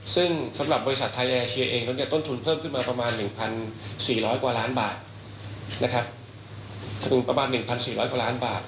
ซึ่งสำหรับบริษัทไทยแอร์เชียเองต้นทุนเพิ่มขึ้นมาประมาณ๑๔๐๐กว่าล้านบาท